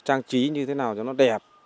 trang trí như thế nào cho nó đẹp